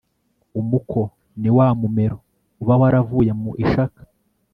umuko ni wa mu mumero uba waravuye mu ishaka